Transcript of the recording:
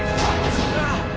・うわっ！